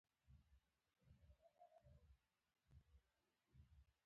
د بیان د آزادۍ لپاره محدودیتونه وپیژندل شي.